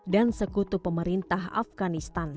dan sekutu pemerintah afganistan